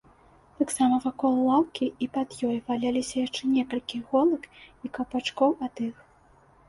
Таксама вакол лаўкі і пад ёй валяліся яшчэ некалькі іголак і каўпачкоў ад іх.